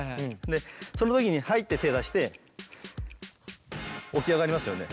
でその時に「はい」って手を出して起き上がりますよね。